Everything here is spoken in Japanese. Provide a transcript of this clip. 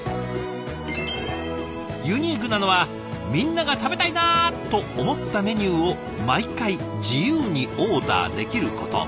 ユニークなのはみんなが食べたいなと思ったメニューを毎回自由にオーダーできること。